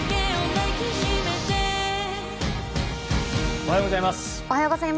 おはようございます。